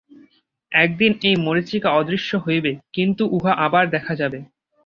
একদিন এই মরীচিকা অদৃশ্য হইবে, কিন্তু উহা আবার দেখা দিবে।